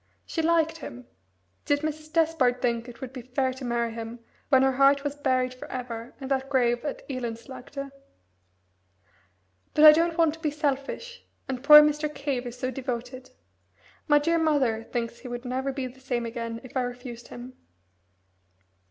She liked him did Mrs. Despard think it would be fair to marry him when her heart was buried for ever in that grave at Elendslaagte? "But I don't want to be selfish, and poor Mr. Cave is so devoted. My dear mother thinks he would never be the same again if I refused him."